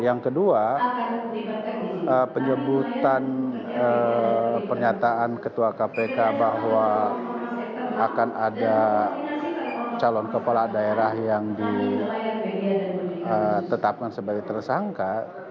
yang kedua penyebutan pernyataan ketua kpk bahwa akan ada calon kepala daerah yang ditetapkan sebagai tersangka